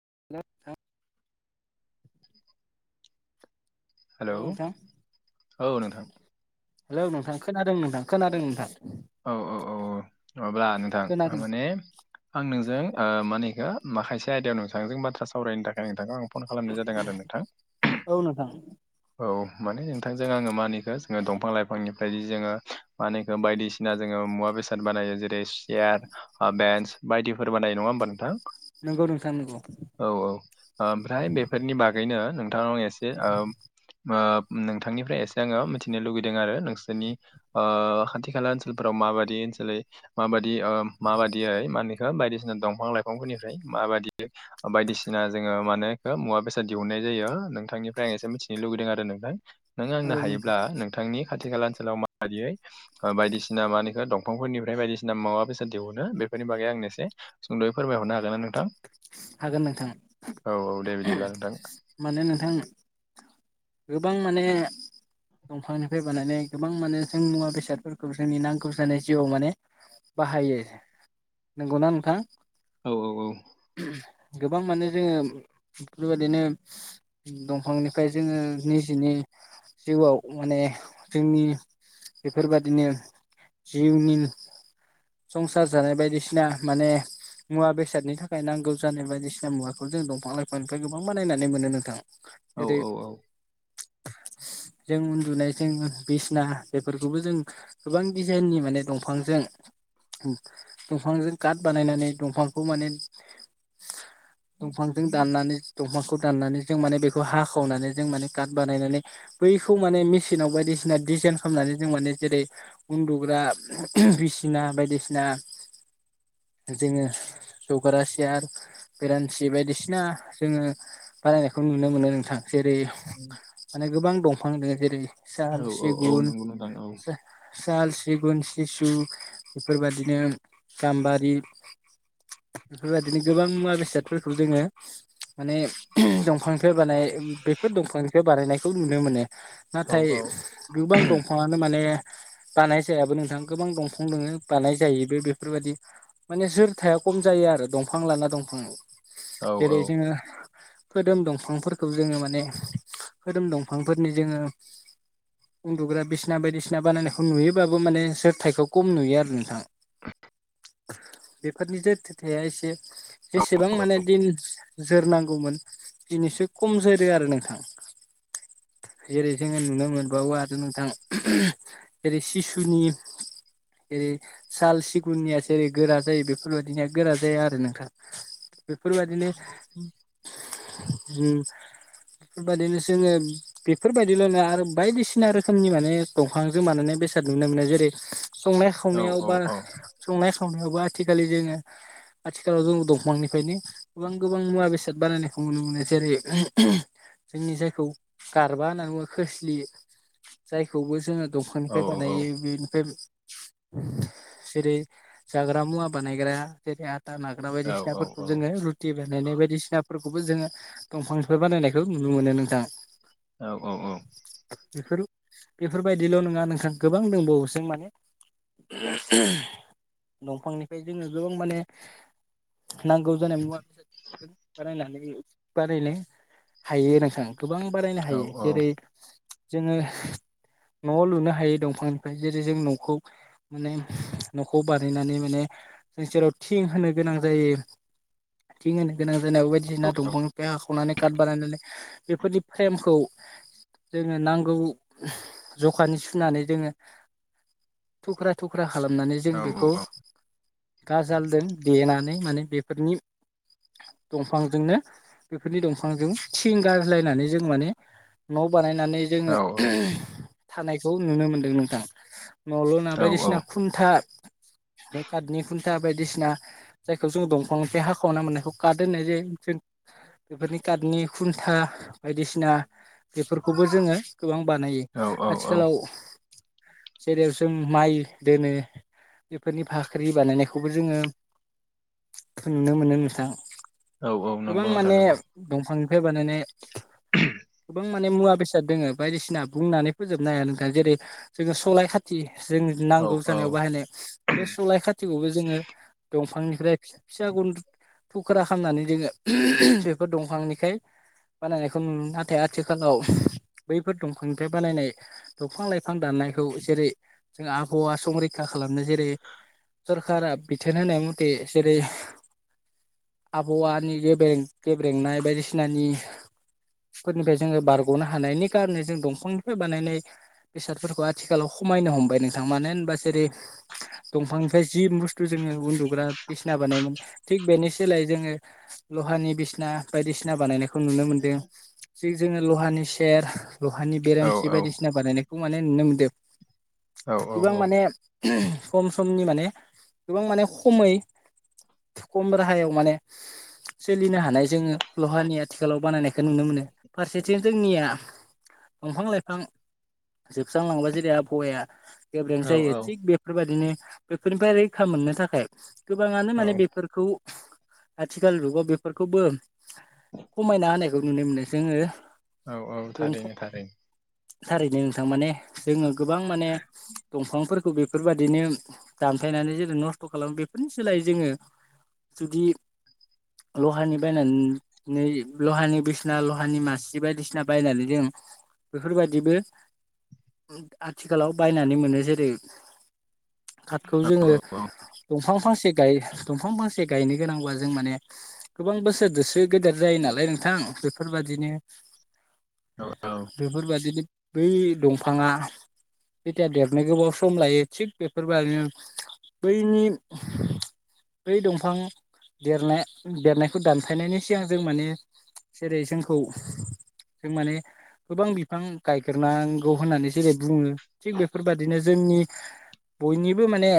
[unintelligible] Hello औ नोंथां hello नोंथां खोनादों नोंथां खोनादों नोंथां औ औ औ नङाब्ला नोंथां खोनादों माने आं नोंजों ओ माने माखासे आयदायाव नोंथांजों बाथ्रा सावरायनो थाखाय नोंथांनो आं फन खालामनाय जादों आरो नोंथां औ नोंथां औ माने नोंथांजों आङो मानिखौ जोङो दंफां लाइफांनिफ्राय जोङो मानिखो बायदिसिना जोङो मुवा बेसाद बानायो जेरै सियार, ब्रेन्स बायदिफोर बानायो नङा होनबा नोंथां? नंगौ नोंथां नंगौ औ औ - ओमफ्राय बेफोरनि बागैनो दं एसे नोंथांनिफ्राय एसे आङो मिथिनो लुगैदों आरो नोंसोरनि खाथि खाला ओनसोलफोराव मा माबादि ओनसोल माबादि माबायदियै मानो बायदिसिना दंफां लाइफांफोरनिफ्राय माबायदि बायदिसिना जोङो माने मुवा बेसाद दिहुनाय जायो नोंथांनिफ्राय आं एसे मिथिनो लुबैदों आरो नोंथां। नों औ आंनो नोंथां हायोब्ला नोंथांनि खाथि खाला ओनसोलाव माबायदियै बायदिसिना दंफांफोरनिफ्राय बायदिसिना मा बेसाद दिहुनो बे बेफोरनि बागै आंनो एसे सुंद'यै फोरमायहरनो हागोनना नोंथां? हागोन नोंथां। औ औ दे बिदिब्ला नोंथां माने नोंथां गोबां माने दंफांनिफ्राय बानायनाय गोबां माने जों मुवा बेसादफोरखौ जोंनि नांगौ जानाय जिउआव माने बाहायो। नंगौना नोंथां? औ औ औ। गोबां माने जोङो बेफोरबायदिनो दंफांनिफ्राय जोङो निजिनि जिउआव माने जोंनि बेफोरबादिनो जिउनि संसार जानाय बायदिसिना माने मुवा बेसादनि थाखाय नांगौ जानाय बायदिसिना मुवाखौ जों दंफां लाइफांनिफ्राय गोबां बानायनानै मोनो नोंथां। औ जेरै औ औ। [inaudible] जों उन्दुनाय जों बिसना बेफोरखौबो जों गोबां दिजाइननि माने दंफांजों दंफांजों काट बानायनानै दंफांखौ माने [inaudible] दंफांजों दाननानै दंफांखौ दाननानै जों माने बेखौ हाखावनानै जों माने काट बानायनानै बैखौ माने मेसिनाव बायदिसिना डिजाइन खालामनानै जों माने जेरै उन्दुग्रा बिसिना बायदिसिना [inaudible] जोंड़ो जग्रा सियार बेरेन्सि बायदिसिना जोङो बानायनायखौ नुनो मोनो नोंथां। जेरै माने गोबां दंफां दं जेरै साल, औ औ सिगुन नंगौ नोंथां औ साल, सिगुन, सिसु, बेफोरबायदिनो गाम्बारि बेफोरबायदिनो गोबां मुवा बेसादफोरखौ जोङो माने दंफांनिफ्राय बानायो बेफोर दंफांनिफ्राय बानायनायखौ नुनो मोनो। औ नाथाय गोबां दंफाङानो माने बानाय जायाबो नोंथां। गोबां दंफां दङो बानाय जायोबो बेफोरबायाददि माने जोरथाया खम जायो आरो दंफां लाना दंफां। जेरै जोङो खोदोम दंफांफोरखौ जोङो माने खोदोम दंफांफोरनि जोङो उन्दुग्रा बिसना बायदिसिना बानायनायखौ नुयोबाबो माने जोरथाइखौ खम नुयो आरो नोंथां। बेफोरनि जोरथा एसे जसेबां माने दिन जोरनांगौमोन एसे खम जोरो आरो नोंथां। [inaudible] जेरै जोङो नुनो मोनबावो आरो नोंथां जेरै सिसुनि एरै साल सिगुननिया जेरै गोरा जायो बेफोरबायदिनिया गोरा जाया आरो नोंथां। बेफोरबदिनो उम। बेफोरबायदिनो जोङो बेफोरबायदिल'नो आरो बायदिसिना रोखोमनि माने दंफांजों बानायनाय बे बेसाद नुनो मोनो जेरै संनाय खावनायाव बा संनाय खावनायावबो आथिखालि जोङो [inaudible] आथिखालाव जों दंफांनिफ्रायनो गोबां गोबां मुवा बेसाद बानायनायखौ नुनो मोनो जेरै जोंनि जायखौ गारबा होनो एबा खोस्लि जायखौबो जोङो दंफांनिफ्राय बानायो बेनिफ्राय जेरै जाग्रा मुवा बानायग्रा जेरै आ आथा नाग्रा बायदिसिनाफोरखौ जोङो रुटि बानायनाय बायदिसिनाफोरखौ खौबो जोङो दंफांनिफोर बानायनायखौ नुनो मोनो नोंथां। औ औ औ। बेफोर बेफोरबायदिल' नङा नोंथां गोबां दंबावोसों माने। दंफांनिफ्राय जोङो गोबां माने नांगौ जानाय मुवा बेसाद बानाय बानायनो हायो नोंथां गोबां बारायनो हायो जेरै जोङो न'आव लुनो जों सेराव थि होनो गोनां जायो थिं होनो गोनां जानायाव बायदिसिना दंफां [unintelligible] [unintelligible] कार्ड बानायनानै बेफोरदि फ्रेमखौ जोङो नांगौ जखानि सुनानै जोङो थुख्रा थुख्रा खालामनानै जों बेखौ गाजालदों देनानै माने बेफोरनि दंफांजोंनो बेफोरनि दंफांजों थिं गार्लायनानै जों माने न' बानायनानै जोङो थानायखौ नुनो मोनदों नोंथां। [unintelligible] [unintelligible] बायदिसिना जायखौ जों दंफांनि हाखावना मोननायखौ खात होननाय जायो काटनि खुन्था बायदिसिना बेफोरखौबो जोङो गोबां बानायो औ औ आथिखालाव जेराव जों माइ दोनो बेफोरनि फाख्रि बानायनाय खौबो जोङो नुनो मोनो नोंथां। औ गोबां नंगौ नोंथां माने नंगौ दंफांनिफ्राय बानायनाय [unintelligible] गोबां माने मुवा बेसाद दोङ बायदिसिना बुंनानै फोजोबनो हाया नोंथां जेरै जोङो सलाय खाथि जों औ नांगौ औ जानायाव बाहायनाय बे सलाय खाथिखौबो जोङो दंफांनिफ्राय फिसा फिसा [unintelligible] थुख्रा खालामनानै जोङो बेफोर दंफांनिखाय बानायनायखौ [unintelligible] नाथाय आथिखालाव बैफोर दंफांनिफ्राय बानायनाय दंफां लाइफां दाननायखौ जेरै जों आबहावा संरैखा खालामनो जेरै सरखारा बिथोन होनाय मथे जेरै आबहावानि गेब गेब्रेंनाय बायदिसिनानि फोरनिफ्राय जोङो बारग'नो हानायनि कारन जों दंफांनिफ्राय बानायनाय बेसादफोरखौ आथिखालाव खमायनो हमबाय नोंथां मानो होनबा जेरै दंफांनिफ्राय जि बुस्थु जोङो उन्दुग्रा बिसिना बानायोमोन थिग बेनि सोलाय जोङो लहानि बिसना बायदिसिना बानायनायखौ खौ नुनो मोनदों जि जोङो लहानि सेर लहानि औ बेरामसि औ बायदिसिना बानायनायखौ माने नुनो मोनदों। औ औ औ। सम समनि माने गोबां माने खमै खम राहायाव माने सोलिनो हानाय जोङो लहानि आथिखालाव बानायनायखौ नुनो मोनो फारसेथिं जोंनिया दंफां लाइफां जोबसांलां जेरै आबहावाया गोेब्रें औ जायो औ थिग बेफोरबायदिनो बेफोरनिफ्राय रैखा मोननो थाखाय गोबाङानो माने बेफोरखौ आथिखाल जुगाव बेफोरखौबो खमायना होनायखौ नुनो मोनो जोङो दंफां थारैनो थारैनो थारैनो नोंथां माने जोङो गोबां माने दंफांफोरखौ बेफोरबायदिनो दामफायनानै जेरै नस्थ' खालामो बेफोरनि सोलायै जोङो जुदि लहानि बायनानै लहानि बिसना लहानि मासि बायदिसिना बायनानै जों बेफोरबायदिबो आथिखालाव बायनानै मोनो जेरै खाथखौ औ जोङो, औ दंफां फांसे [unintelligible] दंफां फांसे गायनो गोनांबा जों माने गोबां बोसोरजोंसो गेदेर जायो नालाय नोंथां। बेफोरबायदिनो- औ बेफोरबायदिनो बै दंफाङा जेथिया देरनो गोबाव सम लायो। थिग बे [unintelligible] बैनि बै दंफां देरनाय - देरनायखौ दानफायनायनि सिगां जों माने जेरै जोंखौ जों माने गोबां बिफां गायग्रोनांगौ होननानै जेरै बुङो थिग बेफोरबायदिनो जोंनि बयनिबो माने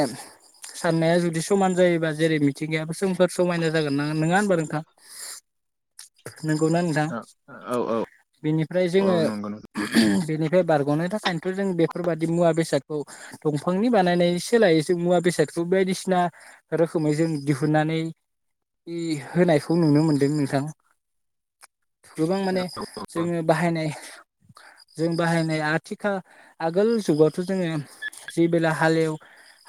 साननाया जुदि समान जायोबा जेरै मिथिंगायाबो जोंफोर समायना जागोन ना - नङा होनबा नोंथां? [unintelligible] नंगौना नोंथां? औ औ बेनिफ्राय औ जोङो नंगौ नंगौ बेनिफ्राय बारग'नो थाखायथ' जों बेफोरबायदि मुवा बेसादखौ [unintelligible] दफांनि बानायनाय सोलाय जों मुवा बेसादखौ बायदिसिना रोखोमै जों दिहुनन्नानै [unintelligible] होनायखौ नुनो मोनदों नोंथां। गोबां माने जोङो बाहायनाय जों बाहायनाय आथिखाल आगोल जुगावथ' जोङो जेबेला हालेव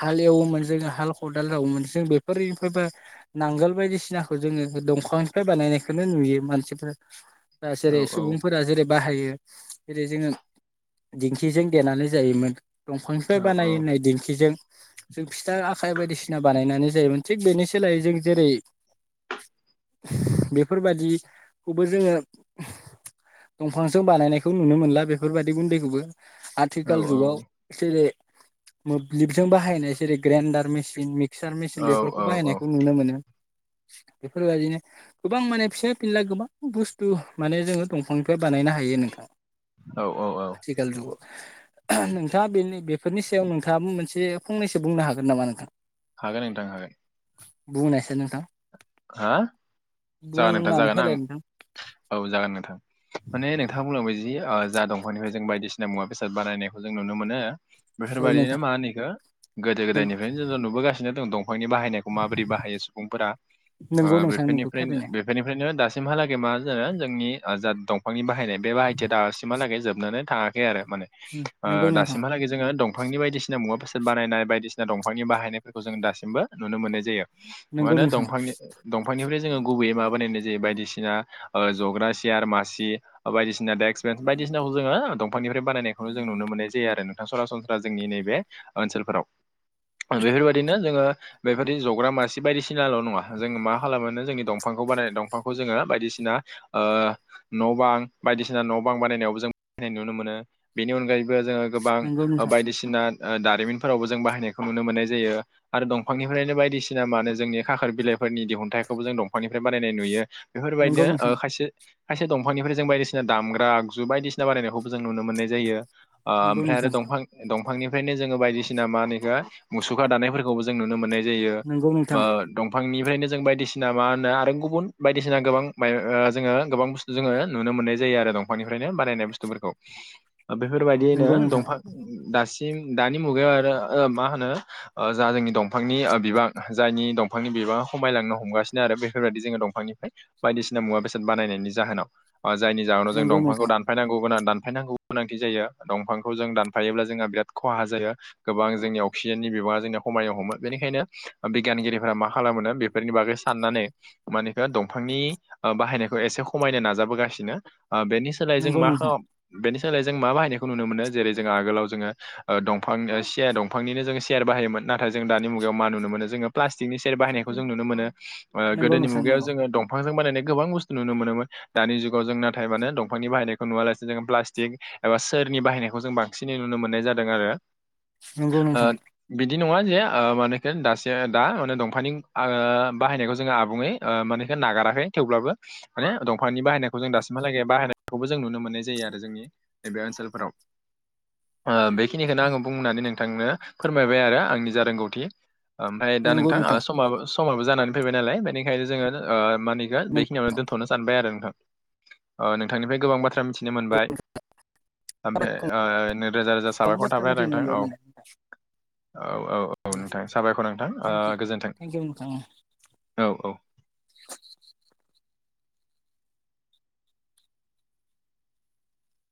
हाल एवोमोन जोङो हाल खदाल जावोमोन जों बेफोरनिफ्रायबा नांगोल बायदिसिनाखौ जोङो दंफांनिफ्राय बानायनायखोनो नुयो मानसिफोर ओ औ जेरै औ सुबुंफोरा जेरै बाहायो। जेरै जोङो दिंखिजों देनानै जायोमोन दंफां बानायनाय दिंखिजों जों फिथा आखाइ बायदिसिना बानायनानै जायोमोन। थिग बेनि सोलायै जों जेरै बेफोरबादि खौबो जोङो [inaudible] दंफांजों बानायनायखौ नुनो मोनला बेफोरबायदि गुन्दैखौबो। औ आथिखाल जुगाव जेरै मोब्लिबजों बाहायनाय जेरै ग्रेइन्डार मेसिन [unintelligible] मिक्सार मेसिन बेफोरखौ औ बाहायनायखौ नुनो मोनो। [unintelligible] बेफोरबायदिनो गोबां माने फिसा फिनला गोबां बुस्थु माने जोङो दंफांनिफ्राय बानायनो हायो। [unintelligible] औ आथिखाल [unintelligible] नोंथाङा बेनि [unintelligible] बेफोरनि सायाव नोंथाङा मोनसे फंनैसो बुंनो हागोन नामा नोंथां? हागोन नोंथां हागोन। बुंनायसाइ नोंथां? हा जागोन नोंथां बुंनानै जागोन आं होलाय नोंथां औ जागोन नोंथां। माने नोंथाङा बुंलांबाय जि ओ जा दंफांनिफ्राय जों बायदिसिना मुवा - बेसाद बानायनायखौ जों नुनो मोनो। औ बेफोरबायदिनो नोंथां मा होनो इखो गोदो- गोदायनिफ्रायनो जों नुबोगासिनो [inaudible] दंफांनि बाहायनायखौ माबोरै बाहायो सुबुंफोरा ओ नंगौ नोंथां नंगौ बेफोरनिफ्रायनो थारैनो - बेफोरनिफ्रायनो [unintelligible] दासिमहालागै मा जानो जोंनि जा दंफांनि बाहायनाय बे बाहायथिया दासिमहालागै जोबनानै थाङाखै आरो। माने ओ नंगौ नोंथां दासिमहालागै जोङो [unintelligible] दंफांनि बायदिसिना मुवा बेसाद बानायनाय, बायदिसिना दंफांनि बाहानायफोरखौ जोङो दासिमबो नुनो मोननाय जायो। नंगौ माने नोंथां दफांनि- दंफांनिफ्राय जोङो गुबैयै माबा [unintelligible] जायो बायदिसिना ज'ग्रा सेयार मासि बायदिसिना देस्क, बेन्स बायदिसिनाखौ जोङो दंफांनिफ्राय बानायनायखौनो जों नुनो मोननाय जायो आरो नोंथां। सरासनस्रा जोंनि नैबे ओनसोलफोराव। बेफोरबायदिनो जोङो बेबायदि जग्रा मासि बायदिसिनाल' नङा, जों मा खालामाो जोंनि दंफांखौ बानायनाय, दंफांखौ जोङो बायदिसिना ओ न' बां बायदिसिना न' बां बानायनायावबो जों नाय नुनो मोनो बेनि अनगायै जोङो गोबां नंगौ नोंथां बायदिसिना ओ दारिमिनफोरावबो जों बाहायनायखौ नुनो मोननाय जायो आरो दंफांनिफ्रायनो बायदिसिना माने जोंनि खाखोर बिलाइ फोरनि दिहुनथाइखौबो जों दंफांनिफ्राय बानायनाय नुयो नंगौ बेफोरबायदिनो नोंथां ओ खायसे खायसे दंफांनिफ्राय जों बायदिसिना दामग्रा आगजु बायदिसिना बारानायनायखौबो जों नुनो मोननाय जायो। नंगौ ओमफ्राय आरो नोंथां दंफां दं बिफांनिफ्रायनो जोङो बायदिसिना मा होनो इखो मुसुखा दानायफोरखौबो जों नुनो मोननाय जायो नंगौ बा नोंथां दंफां फ्रायनो जों बायदिसिना मा होनो आरो गुबुन बायदिसिना गोबां बाय ओ जोङो गोबां बुस्थु जोङो नुनो मोननाय जा रो आरो दंफांनिफ्रायनो बानायनाय बुथुफोरखौ बेफोरबायदियैनो नंगौ नोंथां दंफां दासि म दानि मुगायाव आरो ओ मा होनो ओ जा जोंनि दंफांनि बिबां जायनि दंफांनि बिबां खमायलांनो हमगासिनो आरो बेफोरबायदि जोङो दंफांनिफ्राय बायदिसिना मुवा बेसाद बानायनायनि जाहोनाव। जायनि जाहोनाव जों नंगौ दंफांखौ नोंथां दानफायनांगौ गानां दानफायनांगौ गोनांथि जायो दंफांखौ जों दानफायोब्ला जोंहा बिराद खहा जायो गोबां जोंनि अक्सिजेननि बि बांङा जोंनिया खामायनो हमो बेखायनो बिगियानगिरिफोरा मा खालामोनो बेफोरनि बागै साननानै मानेखो दंफांनि बाहायनायखौ एसे खमायनो नाजाबोगासिनो ओ बेनि सोलाय जों नंगौ माखा नोंथां बेनि सोलाय जों मा बाहायनायखौ नुनो मोनो जेरै जोंङो आगोलाव जोङो ओ दंफां सिया दंफांनिनो जोङो सियार बायोमोन। नाथाय जों दानि मुगायाव मा नुनो मोनो जोंङो प्लास्टिकनि सेयार बायहाय जों नुनो मोनो ओ नंगौ गोदोनि नोंथां मुगायाव नंगौ जोंङो दंफांजों बाना गोबां बुस्थु नुनो मोनोमोन दानि जुगाव जों नाथाय माने दंफांनि बाहायनायखौ नुालासिनो जों प्लासटिक ओ सोरनि बाहायनायखौ जों बांसिनै नुनो मोननाय जादों आरो। नंगौ ओ, नोंथां। बिदि नंङा जे ओ मानेखि दासो दा माने दंफांनि आंङो बाहायनायखौ जोङो आबुङै ओ मानेखि नागाराखै थेवब्लाबो माने दंफांनि बाहायनायखौ जों दासिम आ लागे बाहायनायखौबो जों नुनो मोननाय जायो जोंनि नैबे ओनोलाव ओ बे खिनिखौनो आंङो बुंनानै नोंथांनो फोरमायबाय आरो आंनि जा रोंगौथि। ओमफ्राय दा नोंथां समाबो समाबो जानानै फैबाय नालाय बेनिखायनो जोङो ओ मा होनो इखो बेखिनियावनो दोन्थ'नो सानबाय आरो नोंथां। ओ नोंथांनिफ्राय गोबां बाथ्रा मिथि नो मोनबाय ओमफाय ओ रोजा रोजा गोबां साबायखर बाथ्रा थाबाय आरो मिथिनो नोंथां मोनबाय औ। माने औ औ औ दे नोंथां साबायखर नोंथां ओ थेंक इउ गोजोन्थों। थेंक इउ नोंथां औ औ।